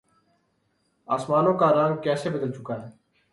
آسمانوں کا رنگ کیسے بدل چکا ہے۔